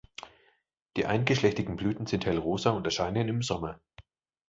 Die eingeschlechtigen Blüten sind hellrosa und erscheinen im Sommer.